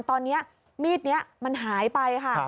ตอนนี้มีดนี้มันหายไปค่ะ